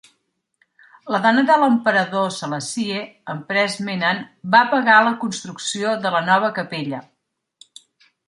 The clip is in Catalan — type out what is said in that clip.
La dona de l'emperador Selassie, Empress Menen, va pagar la construcció de la nova capella.